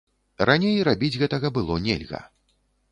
Раней рабіць гэтага было нельга.